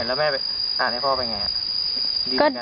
อ่านให้พ่อไปไง